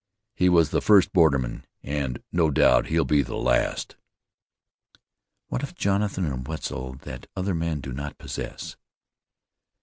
He was the first borderman, and no doubt he'll be the last." "What have Jonathan and Wetzel that other men do not possess?"